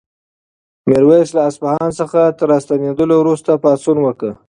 میرویس له اصفهان څخه تر راستنېدلو وروسته پاڅون وکړ.